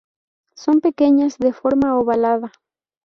Son pequeñas, de forma ovalada.